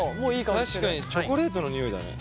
確かにチョコレートの匂いだね。